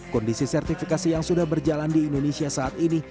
kondisi sertifikasi yang sudah berjalan di indonesia saat ini